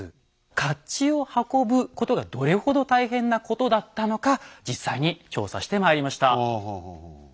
甲冑を運ぶことがどれほど大変なことだったのか実際に調査してまいりました。